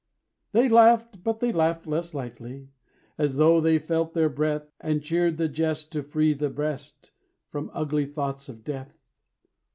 They laughed, but they laughed less lightly, As though they felt their breath, And cheered the jest to free the breast From ugly thoughts of death.